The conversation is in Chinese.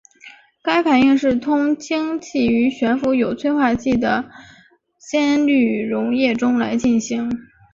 该反应是通氢气于悬浮有催化剂的酰氯溶液中来进行。